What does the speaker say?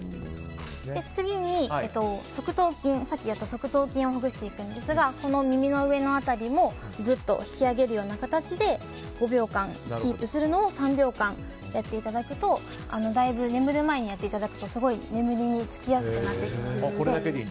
次に、さっきやった側頭筋をほぐしていくんですが耳の上の辺りをぐっと引き上げるような形で５秒間キープするのを３秒間やっていただくと眠る前にやっていただくとすごいこれだけでいいんですね。